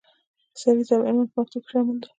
سریزه او عنوان په مکتوب کې شامل دي.